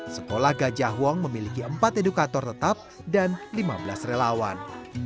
sekolah gajah wong memiliki empat edukator tetap dan lima belas relawan